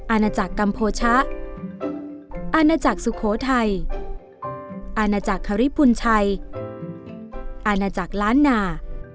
อาณาจักรกัมโภชะอาณาจักรสุโขทัยอาณาจักรฮริพุนชัยอาณาจักรล้านนา